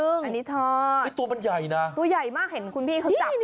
อันนี้ทอดตัวมันใหญ่นะอย่างนึ่งนี่